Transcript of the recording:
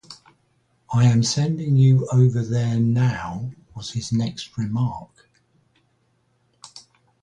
"I am sending you over there now," was his next remark.